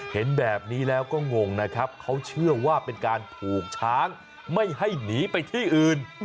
เห็นแบบนี้แล้วก็งงนะครับเขาเชื่อว่าเป็นการผูกช้างไม่ให้หนีไปที่อื่น